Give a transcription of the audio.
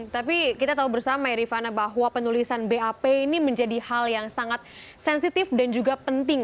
tapi kita tahu bersama ya rifana bahwa penulisan bap ini menjadi hal yang sangat sensitif dan juga penting